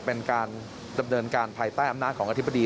เป็นการดำเนินการภายใต้อำนาจของอธิบดี